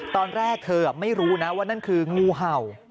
ตอนแรกเธอไม่รู้นะว่านั่นคืองูเห่า